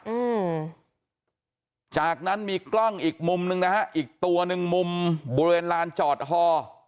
อืมจากนั้นมีกล้องอีกมุมหนึ่งนะฮะอีกตัวหนึ่งมุมบริเวณลานจอดฮอ